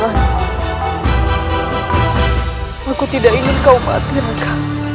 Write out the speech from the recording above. aku tidak ingin kau mati raka